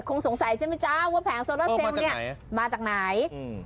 คงสงสัยใช่ไหมจ๊ะว่าแผงโซลาเซลลเนี่ยมาจากไหนอืม